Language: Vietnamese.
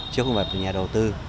chứ không phải là nhà đầu tư